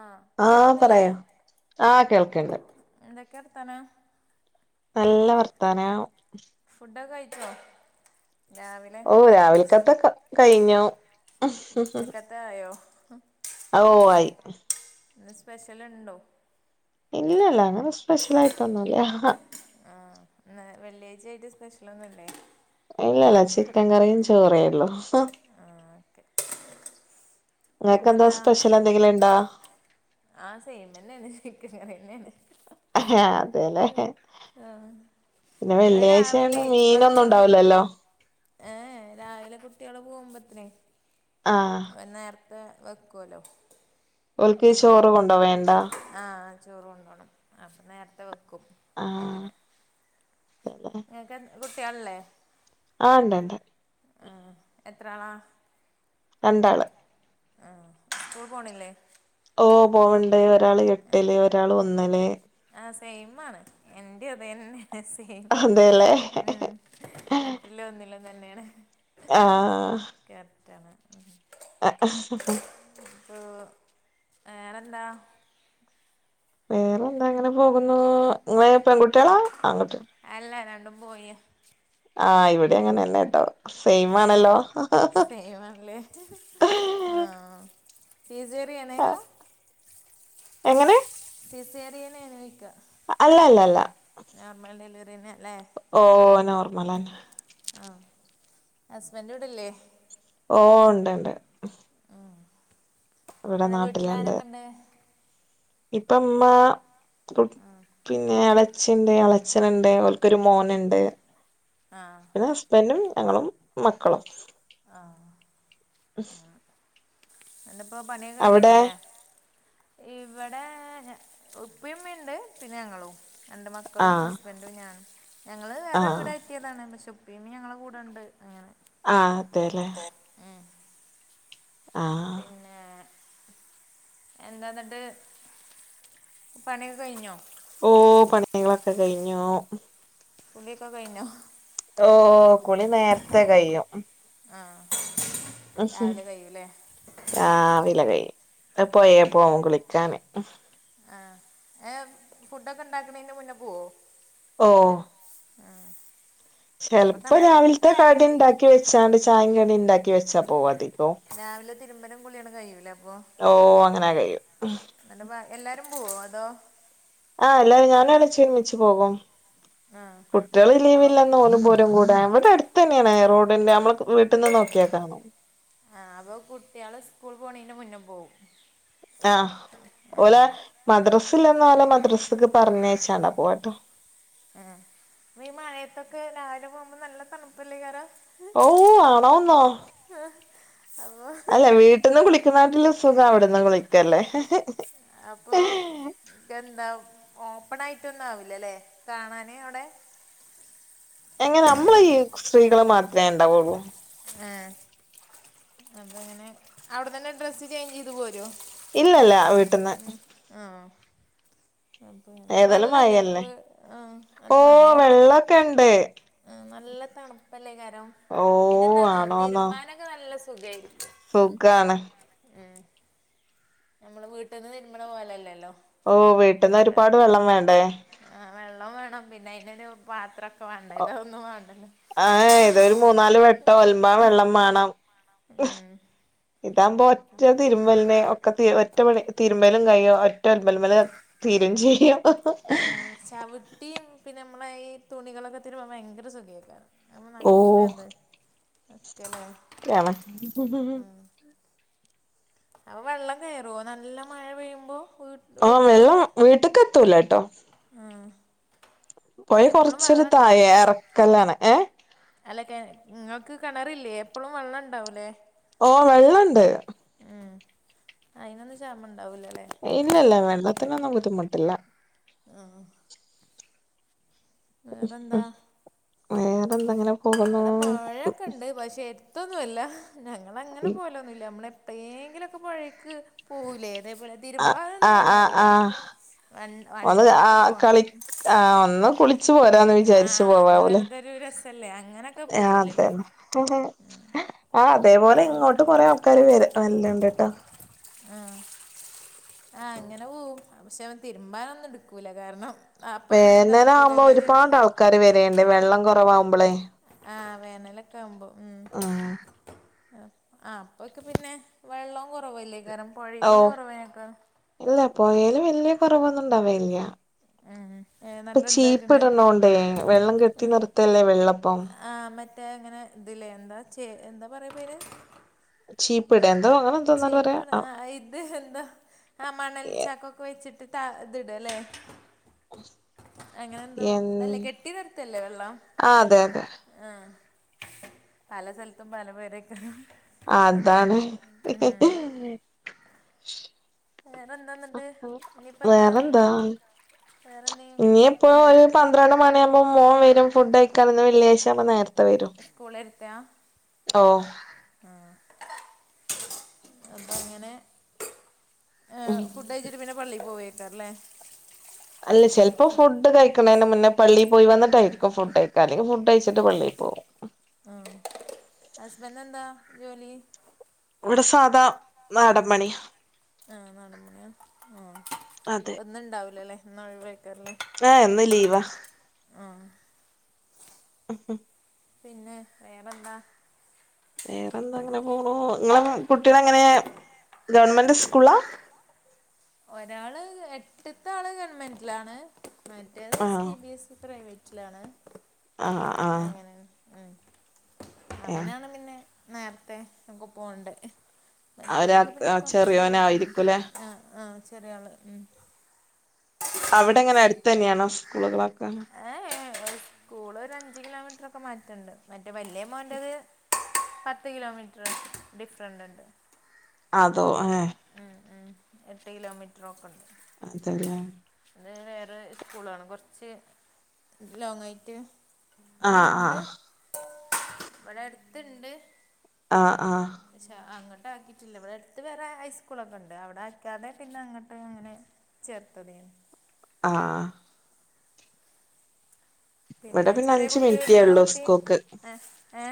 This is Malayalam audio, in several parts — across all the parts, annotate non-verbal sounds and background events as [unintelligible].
ആഹ ആഹ് കേക്കുന്നില്ലേ പറയോ ആഹ് കേൾക്ക്ണ്ട് എന്തൊക്കെയ വർത്താനം? നല്ല വർത്താനം. ഫുഡ്‌ ഒക്കെ കഴിച്ചോ? രാവിലെ ഓ ബ്രേക്ക്ഫാസ്റ്റ് രാവിലക്കത്തൊക്കെ കഴിഞ്ഞു ഉച്ചക്കത്ത ആയോ? ഓ ആയി. ഇന്ന് സ്പെഷ്യൽണ്ടോ? ഇല്ലല്ല അങ്ങനെ സ്പെഷ്യൽ ആയിട്ടൊന്നുല്ല. ആ ഇന്ന് വെള്ളിയാഴ്ച ആയിട്ട് സ്പെഷ്യൽ ഒന്നുമില്ലേ? ഇല്ലല്ല ചിക്കൻ കറിയും ചോറെള്ളൂ. ആഹ് ഓക്കെ നിങ്ങക്കെന്താ പിന്നെന്താ സ്പെഷ്യൽ എന്തെങ്കിലും ഇണ്ടാ? ആഹ് സെയിം തന്നെയാണ്, ചിക്കൻ കറി തന്നെയാണ്. ആഹ് അതന്നെ ആഹ്. ആഹ് ഇന്ന് അത് വെള്ളിയാഴ്ച്ച ആയത് രാവിലെ കൊണ്ട് മീനൊന്നും ഉണ്ടാവില്ലലോ. ഏ രാവിലെ കുട്ടികള് പോകുമ്പതന്. ആഹ്. പിന്നെ നേരത്തെ വെക്കുവല്ലോ. ഓല്ക്ക് അങ്ങനെ ചോറ് കൊണ്ടോ വേണ്ടാ? ആഹ് ചോറ് കൊണ്ടോണം അപ്പം നേരത്തെ വെക്കും. ആഹ്. അങ്ങനെ. അതെല്ലേ നിങ്ങക്ക് എത്ര കുട്ടിയാ ഒള്ളെ? ആഹ് ണ്ട് ണ്ട് ആഹ് എത്രാളാ? രണ്ടാൾ. ആഹ് സ്കൂൾ പോണില്ലേ? ഓ പോവണ്ട്, ഒരാൾ എട്ടിൽ ഒരാൾ ഒന്നിൽ. ആഹ് സെയിമാണ്. എന്റെ അതന്നെ സെയിം അതെല്ലേ മം. എട്ടിലും ഒന്നിലും തന്നെയാണ്. ആ കെർറ്റാണ് ആഹ് ആഹ് വേറെന്താ വേറെ ന്താ ങ്ങനെ പോകുന്നു പെൺകുട്ട്യാളാ ആങ്കുട്ടി അല്ല രണ്ടും ബോയി ആഹ് ഇവിടെ അങ്ങനെന്നെ ട്ടോ സെയിം ആണല്ലോ ല്ലേ ആഹ് സീസേറ്യേനേനു എങ്ങനെ സിസേറിയെനോയ്ക്ക അല്ല അല്ല അല്ല നോർമൽ ഡെലിവറ്യേന്നെല്ലേ ഓ ഏഹ് നോർമലന്നെ ആഹ ഹസ്ബന്റ് ഇവിടെ ഇല്ലേ ഓഹ് ഉണ്ട്ണ്ട് ഇവിടെ ഇമ് വീട്ടിലാരൊക്കണ്ട് ഇപ്പമ്മ പിന്നെ എല ച്ചി ണ്ട് എളച്ചന്ണ്ട് ഓൽകൊര് മോന്ണ്ട് ആഹ് ഹസ്ബന്റും ഞങ്ങളും മക്കളും ആ [unintelligible] ഇന്ന് പൊ പണിയൊകെ അവിടെ കഴിഞ്ഞിക്കൂലേ ഇവടെ ഉപ്പയുമ്മിണ്ട് പിന്നെ ഞങ്ങളും രണ്ട് മക്കളും ആഹ് ഹസ്ബൻ ഞ ഞങ്ങള് വേറെ വീട് ആഹ് ബ കായറ്റിയ്യതാണ് പക്ഷേ ഇപ്പീ ഇമ്മീ ഞങ്ങളെ കൂടെണ്ട് അങ്ങനെ ആ അതെല്ലേ ആഹ് പിന്നെ എന്താന്നിട്ട് പണിയൊക്കെയ്ഞ്ഞോ ഓ പണികളൊക്കെ കഴിഞ്ഞു കുളിയൊക്ക കൈഞോ ഓഹ് കുളി നേര്ത്തെ കയ്യും ആഹ രാവില കൈയ്യും പൊയേ പോവും കുളിക്കാന് ആ ഏ ഫുഡൊക്കെ ണ്ടാക്കണിന്റെ മുന്നെ പോവോ ഓഹ് അ ചെൽപ്പോ രാവിൽത്തെ കടി ണ്ടാക്കി വെച്ചാണ്ട് ചായി കടി ണ്ടാക്കി വെച്ചാ പോവാതി രാവിലെ തിരുമ്പലും കുളി കഴൂലേപ്പൊ ഓ അങ്ങനെ കഴിയും ബാക്കി എല്ലാരും പോവോ അതോ ആഹ് എല്ലാരും ച്ചിമ്മിച്ചി പോകും ആ കുട്ട്യള് അപ്പൊ ലീവില്ലന്നോലും പോ കൂട വ്ടെട്തെന്നേണ് റോഡിന്റെ അമ്മളെ വീട്ട്ന്ന് നോക്ക്യാകാണും ആഹ് അപ്പൊ കുട്ടികള് സ്കൂൾ പോണീന്റെ മുന്നെ പോവും ആഹ ആ ഓലെ മദ്രസില്ലന്നോലെ മദ്രസ്ക്ക് പറഞ്ഞയച്ചാണ്ടാ പോഅട്ടോ ആഹ് ഈ മഴയത്തൊക്കെ രാവിലെ പോകുമ്പോ നല്ല തണുപ്പല്ലേ കാരാ? ഔ ആണോന്നോ ആ അപ്പോ അല്ല വീട്ടിന്ന് കുളിക്കുന്നാട്ടില് സുഖം വിട്ന്ന് കുളിക്കല്ലേ അപ്പോ എന്താ ഓപ്പണായി ട്ടൊന്നാവൂലല്ലെ കാണാന് അവ്ടെ എങ്ങന മ്മള് ഈ സ്ത്രീകള് മാത്രേണ്ടാവുള്ളൂ ആഹ് അപ്പ ങ്ങനെ അവ്ട്ന്നെന്നെ ഡ്രസ്സ് ചേഞ്ചേയ്ത് പോരോ ഇല്ലല്ല വീട്ടിന്ന് ഉം ആഹ് അപൊങ്ങനെ ഏതായാലും വെള്ളല്ലേ മഴയല്ലേ ആ അല്ല മഴയാവുമ്പന്ന കണ്ടേ. മം നല്ല തണുപ്പല്ലേ കാരം. ഓ പിന്നെന്നാന്നോ ആണോന്നോ തിരുമ്പാനൊക്കെ നല്ല സുഖയിരിക്കും. സുഖാണ്. നമ്മള് വീട്ടിന്ന് തിരുമണ പോലല്ലല്ലോ. ഓ വീട്ടിന്ന് പെട്ടെന്ന് ഒരുപാട് വെള്ളം വേണ്ടേ? ആ വെള്ളം വേണം, പിന്നെ അതിന്റെ എടെ പാത്രം ഒക്കെ വേണ്ട ഇതതൊന്നും വേണ്ടല്ലോ ആ ഇതൊരു മൂന്നാല് വെട്ടം ഒലമ്പാൻ ആഹ്. വെള്ളം വേണം ഉം. ഇതാകുമ്പോ ഒറ്റ തിരുമലിന് ഒക്കെ ഒറ്റ മണി തിരുമലും കഴിയോ [unintelligible] തീരും ചെയ്യാം ആഹ്. ആഹ് ചവിട്ടിയും പിന്നെ നമ്മളെ ഈ തുണികളൊക്കെ തിരുമ ഭയങ്കര സുഖയൊക്കാണ്. അതാവുമ്പോ ഓ നല്ലയിത്, [unintelligible] [unintelligible] അവ വെള്ളം കയറുവോ നല്ല മഴ പെയ്യുമ്പോ വീട്ട് ആഹ് വെള്ളം വീട്ടക്ക്‌ എത്തൂലാട്ടോ. ആഹ്. പൊയ കൊറച്ചൊരു തായ എറക്കല്ലാണ് ഏയ്. അല്ലെ നിങ്ങക്ക് കിണറില്ലേ, എപ്പളും വെള്ളം ഉണ്ടാവൂല്ലേ? ഓ വെള്ള്ണ്ട്. ഉം അതിനൊന്നും ക്ഷാമം ഉണ്ടാവുല്ലല്ലേ. ഇല്ല ഇല്ല വെള്ളത്തിനൊന്നും ബുദ്ധിമുട്ടില്ല. ആഹ്. മം മം വേറെന്താ വേറെന്തെങ്കിലും എടാ പാഴൊക്കെണ്ട് പക്ഷെ എത്തൊന്നുമില്ല ഞങ്ങൾ അങ്ങനെ പോലോ നമ്മള എപ്പോയെങ്കിലും ഒക്കെ പൊഴേക്ക് പോകുലേ അതെപോലെ. ആ തിരുമ്പാലൊന്നും ആ ആ കൊണ്ടുപോവില്ല. ആ വ ഒന്ന് ആ വണ്ടിയിലൊക്കെ പോണം കളി ആ ഒന്ന് കുളിച്ചു പോരാന്ന് ആഹ് അതൊരു രസല്ലേ അതെ. ആഹ് അതെപോലെ അൻ- ഇങ്ങോട്ട് കൊറെേ ആൾക്കാാര് വര് വര്ന്നിണ്ടാട്ടാ. ആ ആ അങ്ങനെ പോ പക്ഷെ അവൻ തിരുമ്പാനൊന്നും എടുക്കൂല കാരണം ആ അപ്പ പിന്നെന്താടുക്കുവല്ലോ എല്ലാ വിചേരിച്ചച്ച് കറി വരയേണ്ടേ വെള്ളം കുറവാവുമ്പോളേ ആ വേനലൊക്കെ ആവുമ്പോ ഉം ആ അപ്പോഴക്കെ പിന്നെ വെള്ളം കുറവല്ലേ കാരണം ഓ പുഴയിലും കുറവൊക്കെ ഇല്ല പോയല് വലിയ കുറവൊന്നുംണ്ടാവല്ല ആ ആ നല്ല ഇണ്ടായിട്ടുണ്ടോ അത വെള്ളം കെട്ടി നിർത്തല്ലേ വെള്ളപ്പം ആ് മറ്റേ ഇങ്ങനെ ഇതിലേ എന്താ എന്താ പറയാ പേര് ചീപ്പ്ട എന്തോ അങ്ങനെ എന്തോന്നാണ് ചീപ്പ പറയാ ആ ഇത് എന്തോ ആ മണൽ എ ചക്കൊക്ക വെച്ചിട്ട് ത ഇത് ഇടല്ലേ [inaudible] അങ്ങനെന്തോ എൻ ഇതല്ലേ കെട്ടി തരത്തല്ലേ വെള്ളം ആ അതെ അതെ ആ പല സ്ഥലത്തും പല പേരൊക്കെ അതാണ് അതായിത് മ് വേറെന്താ എന്നിട്ട് ഇനിയിപ്പോ എന്താ വേറെന്താ വേറെന്തേ ഇനി ഇപ്പോ വർക്കുണ്ടോ ഒരു പത്ര മണിയ ആമ്പൾ മോ വരും ഫഡ്യക്കണ വള്ളാഴ്ചകള നേരത്തെ വരും സ്കൂള എടുത്തയാ ഓ ആഅത അങ്ങനെ ഉം ഫുഡ് കഴിച്ചിട്ട് പിന്നെ പള്ളി പോവേക്കാറല്ലേ അല്ല ചിലപ്പോ ഫുഡ് കഴിക്കണേന് മുന്നേ പള്ളിൽ പോയി വന്നിട്ടായിരിക്കും ഫുഡ് കയക്കാം അല്ലെങ്ക ഫുഡ് കയിച്ചിട്ട് പള്ളിയിൽ പോകും മ് ഹസ്ബൻഡ് എന്താ ജോലി ഇവിടെ സാധാ നാടപണി ആ നടപണിയാ ആ അതെ അപ്പൊന്ന ഉണ്ടാവില്ലോല്ല ഇാ ഒിവ വഴക്കാറില്ലേ ആ ഇന്ന് ലീവാ ആ [unintelligible] പിന്നെ വേറെന്താ വേറെ എന്താ അങ്ങനെ പോണു നിങ്ങളെ കുട്ടികള എങ്ങനെ ഗവൺമെന്റ് സ്കൂളാ ഒരാള് എട്ടത്തെ ആള് ഗവൺമെന്റിലാണ് മറ്റേത് ആ സി ബി എസ് ഇ പ്രൈവറ്റിലാണ് ആ ആ അങ്ങനെ ഏഹ് അവനാണ് പിന്നെ നേരത്തെ ഒക്കെ പോണ്ട പറ്റു അവര് എനിക്ക് പിന്നെ കൊറച്ച് ചെറിയോനായിരിക്കുംല്ലേ ആ ആ ചെറിയ ആള് അവിടെങ്ങനെ അടുത്ത് തന്നെയാണോ സ്കൂളുകളൊക്കെ ഏ സ്കൂള ഒരു അഞ്ച കിലോമീറ്റർൊക്കെ മാറ്റണ്ട് മറ്റേ വലിയ എമോറത് പത്ത് കിലോമീറ്റർ ഡിഫറന്റ് ഉണ്ട് അതോ ആ മ് മ് എട്ട് കിലോമീറ്ററൊക്കെ ഉണ്ട് അതല്ലേ അത് വേറെ സ്കൂളാണ് കുറച്ച് ലോങ്ങായിട്ട് ഇവിടെ ആഹ് ഇണ്ട് ആഹ് ഇവിടെ അടുത്ത്ണ്ട് ആ ആ പക്ഷ അങ്ങോട്ട് ആകിട്ടില്ലവി അത്ത് വേറെ ഹൈസ്കൂളൊക്കെ ഉണ്ട് അവിടെ ആക്കാതെ പിന്നെ അങ്ങോട്ട് അങ്ങനെ ചേർത്തത ആ ആ പിന്നെ ഇവിടെ ചെറിയ അഞ്ച് കുട്ടി മിനിറ്റേ നിങ്ങളെ ഉള്ളൂ കുട്ടി സ്കൂൾക്ക് ഏ ഏ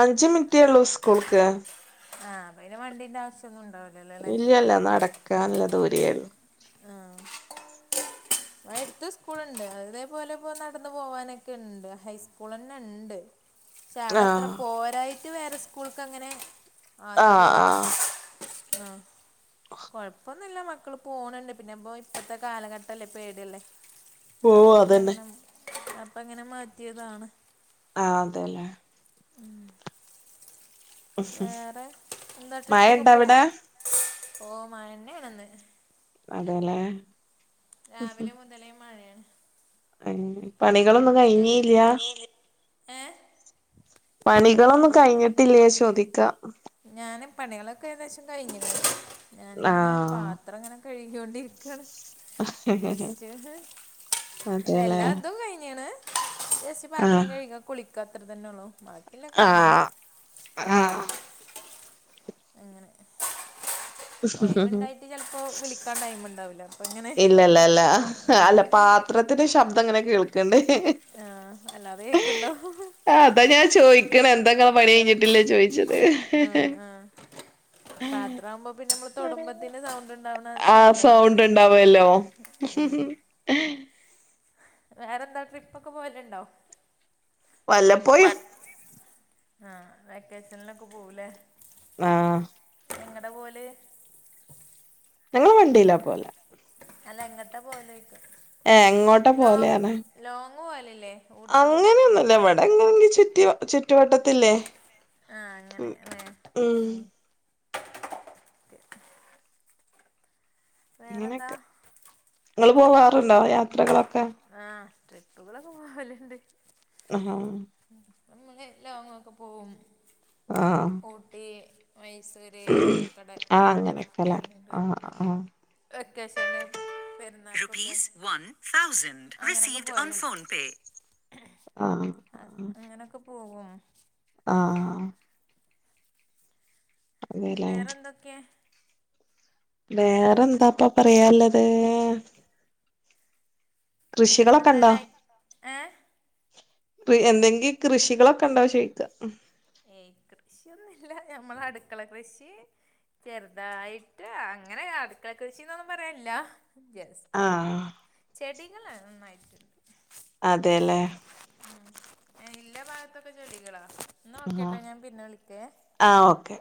അഞ്ച് മിനിറ്റേ ഉള്ളൂ സ്കൂൾക്ക് ആഹ അവന് വണ്ടിന്റെ ആവശ്യം ഒന്ന ഉണ്ടില്ല ഇല്ലല്ല നടക്കനുള്ള ദൂരയായി ആഹ ന്താ സ്കൂൾണ്ട് അതേപോലെ ഇപ്പോ നടന്ന പോവാനൊക്കെ ഉണ്ട് ഹൈസ്കൂൾ തന്നെ ഉണ്ട് പക്ഷെ അവിടെത്ര ആഹ് പോരായിട്ട് വേറെ സ്കൂൾക്ക് അങ്ങനെ ആഹ് ആക്കിയതാണ് അഹ് ആ ഹ് കൊഴപ്പൊന്നുമില്ല മക്കള് പോണണ്ട് പിന്നെ ഇപ്പ ഇപ്പത്തെ കാലഘട്ടല്ലേ പേടിയല്ലേ പോവും അപ്പൊ പിന്നെ അതന്നെ അങ്ങനെ അപ്പ അങ്ങനെ മാറ്റിയതാണ് ആ അതെല്ലേ വേറെ എന്താ മഴ ട്രിപ്പൊക്കെ ഇണ്ട പോവോ അവിടെ ഓ മയണ്ണയാണെന്ന് അതല രാവിലെ മുതലേും മഴയാണ് ഉം പണികളൊന്നും നിങ്ങക്ക് കഴിഞ്ഞല്ല ഏ പണികളൊന്നും കഴിഞ്ഞിട്ടില്ലേ ചോദിക്ക ഞാന് പണികളൊക്കെ ഏകദേശം കഴിഞ്ഞിരുന്നു ഞാനിങ്ങനെ ആഹ് പാത്രം ഇങ്ങനെ കഴുകോണ്ടിരിക്കുന്നു സ്റ്റ് ഇല്ല അതെല്ലേ എല്ലാ ഇതും കഴിഞ്ഞാണ് ജസറ്റ് പാത്രം ആഹ് കഴുക കുളിക്ക അത്ര തന്നെ ഉള്ളൂ ബാക്ക ഇല്ല കഴിഞ്ഞണ ആഹ് ആഹ് അങ്ങനെ ഒഴിവു ഉണ്ടായിട്ട് ചിലപ്പോ വിളിക്കാൻ ടൈമ ഉണ്ടാവില്ല ഇങ്ങനെ ഇല്ലല്ല ഇല്ല അല്ല പാത്രത്തിന്റെ ശബ്ദം അങ്ങനെ കേൾക്കണ്ടേ ആ, അല്ലാതെ കേക്കണ്ടോ ആ അതാ ഞാൻ ചോദിക്കണ എന്തെങ്ങെ പണി കഴിഞ്ഞിട്ടില്ലേ ചോയിച്ചത് പാത്രമാവുമ്പോ പിന്നെ നമ്മള് തൊടുബത്തിന് സൗണ്ട് ഉണ്ടാവണ ആഹ് സാധനാണ് സൗണ്ട് ഉണ്ടാവല്ലോ ഉം [inaudible] വേറെന്താ ട്രിപ്പ ഒക്കെ പോയിലുണ്ടോ വല്ലപ്പോഴും ആഹ വെക്കേഷനിലൊക്കെ പോവലേ ആഹ് നിങ്ങളടെ പോലെ ഞങ്ങള വണ്ടിയിലാ പോല അല്ല എങ്ങത്തെ പോയെ ഏഹ് എങ്ങോട്ടാ ലോങ് ലോങ്ങ് പോലല്ലേ അങ്ങനെയൊന്നുംല്ല എവിടെ എങ്കെ ചുറ്റി ചുറ്റുവട്ടത്തില്ലേ ആഹ് അങ്ങനെ ല്ലേ ഉം ഉം വേറെന്താ അങ്ങനെയൊക്കെ നിങ്ങളൾ പോവാറുണ്ടോ യാത്രകളൊക്കെ ആഹ ട്രിപ്പുകളൊക്കെ പോവലണ്ട് ആഹ നമ്മ എല്ലാം അങ്ങൊക്കെ പോകവും ആഹ് ഊട്ടി മൈസൂര് ആഹ് കടക്കനൽ അങ്ങനെ അങ്ങനെയൊക്കെല്ലേ പോലുണ്ട് ആഹ് ആഹ് വെക്കേഷൻ റൂപീസ് വൺ തൗസസീവ് ഓൻ ഫോൺപേ അ ആഹ് അങ്ങനെയൊക്കെ പോകും ആഹ് അതെല്ലേ വേറെ എന്തൊക്കെയ വേറെ എന്താപ്പ പറയുള്ളത് കൃഷികളൊക്കെ ഉണ്ടോ പിന്നെന്തന്ന ഏ എന്തെങ്കി കൃഷികളൊക്കെ ഉണ്ടാവോ ചോയിക്ക ഏയ്. കൃഷിയൊന്നുല്ല. ഞമ്മളെ അടുക്കള കൃഷി ചെറുതായിട്ട്. അ അങ്ങനെ അട്ക്കള കൃഷിന്നൊന്നും പറയില്ല ജസ് റ്റിങ്ങനെ. ആഹ് ചെടികള് നന്നായിട്ടുണ്ട്. അതെല്ലേ. എല്ലാ ഭാഗത്തൊക്കെ ചെടികളാ. ന്നാ ഓക്കെ ട്ടൊ. ഞാൻ പിന്നെ വിളിക്കെ ആ. ഓക്കെ